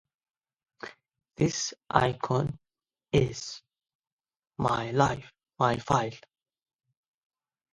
This icon "is" my file.